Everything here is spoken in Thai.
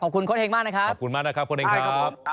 ขอบคุณคนเองมากนะครับขอบคุณมากนะครับคนเองครับ